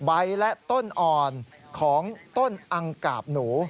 ใบและต้นอ่อนของต้นอังกาบหนู